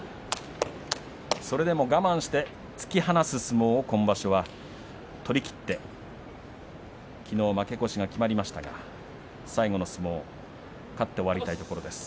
それでも我慢して突き放す相撲を今場所は取りきってきのう負け越しが決まりましたが最後の相撲勝って終わりたいところです。